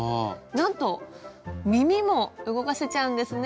なんと耳も動かせちゃうんですね。